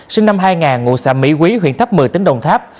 sinh năm hai nghìn ngụ xạ mỹ quý huyện tháp mười tính đồng tháp